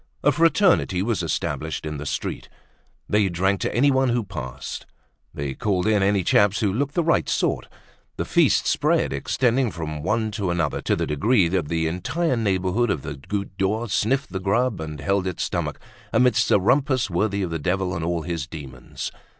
A fraternity was established in the street. They drank to anyone who passed. They called in any chaps who looked the right sort. The feast spread, extending from one to another, to the degree that the entire neighborhood of the Goutte d'Or sniffed the grub, and held its stomach, amidst a rumpus worthy of the devil and all his demons.